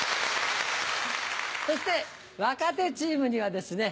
そして若手チームにはですね